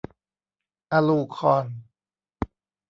อลูคอน